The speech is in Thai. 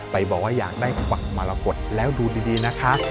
ไปบอกว่าอยากได้ผักมรกฏแล้วดูดีนะคะ